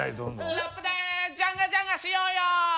ラップでジャンガジャンガしようよ！